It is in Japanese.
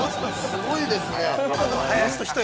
すごいですね。